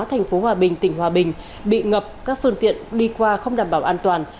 thành phố hòa bình tỉnh hòa bình bị ngập các phương tiện đi qua không đảm bảo an toàn